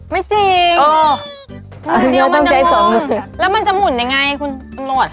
ไม่จริงมือเดียวมันจะหมุนแล้วมันจะหมุนยังไงคุณปรับบอทศาสตร์ฮะค่ะ